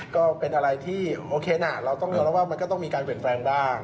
ก็เป็นอะไรที่โอเคนะเราต้องยอมรับว่ามันก็ต้องมีการเปลี่ยนแปลงบ้าง